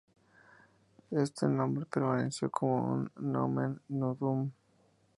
Este nombre permaneció como un "nomen nudum".